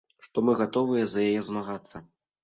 Што мы гатовыя за яе змагацца.